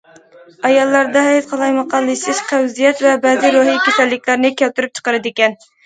ئاياللاردا ھەيز قالايمىقانلىشىش، قەۋزىيەت ۋە بەزى روھىي كېسەللىكلەرنى كەلتۈرۈپ چىقىرىدىكەن.